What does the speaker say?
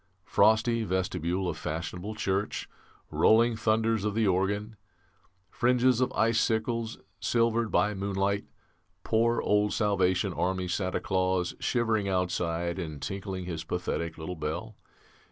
"Frosty vestibule of fashionable church, rolling thunders of the organ, fringes of icicles silvered by moonlight, poor old Salvation Army Santa Claus shivering outside and tinkling his pathetic little bell.